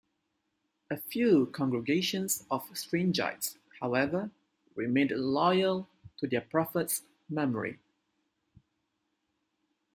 A few congregations of Strangites, however, remained loyal to their prophet's memory.